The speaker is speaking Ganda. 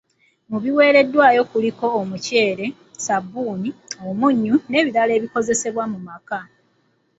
Mu biweereddwayo kuliko; Omuceere, Ssukaali, Omunnyo, n’ebirala ebikozesebwa mu maka.